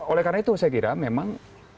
oleh karena itu saya kira memang